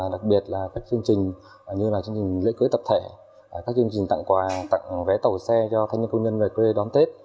đặc biệt là các chương trình như lễ cưới tập thể các chương trình tặng quà tặng vé tàu xe cho thanh niên công nhân về quê đón tết